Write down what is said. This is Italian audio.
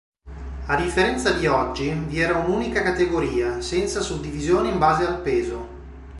A differenza di oggi, vi era un'unica categoria, senza suddivisione in base al peso.